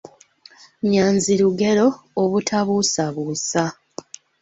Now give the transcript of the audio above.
Nnyanzi lugero obutabuusabuusa